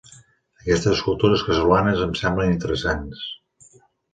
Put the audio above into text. Aquestes escultures casolanes em semblen interessants.